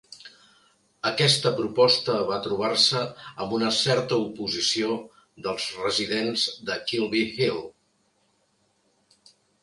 Aquesta proposta va trobar-se amb una certa oposició dels residents de Kilvey Hill.